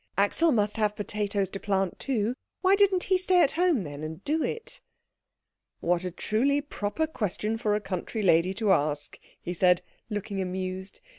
Axel must have potatoes to plant too; why didn't he stay at home, then, and do it? "What a truly proper question for a country lady to ask," he said, looking amused.